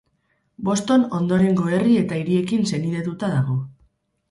Boston ondorengo herri eta hiriekin senidetuta dago.